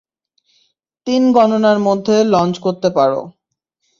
তিন গণনার মধ্যে লঞ্চ করতে পারো।